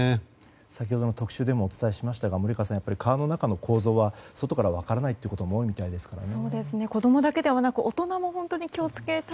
先ほどの特集でもお伝えしましたが、森川さん川の中の構造は外から分からないことも多いみたいですからね。